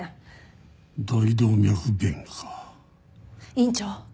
院長。